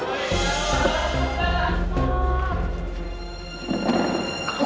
lu sih pakai aja dulu